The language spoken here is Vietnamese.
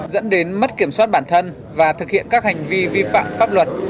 dẫn đến mất kiểm soát bản thân và thực hiện các hành vi vi phạm pháp luật